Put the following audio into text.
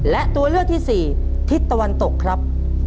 และตัวเลือกที่สี่ทิศตะวันตกครับ